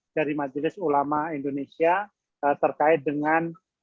dari majelis ulama indonesia terkait dengan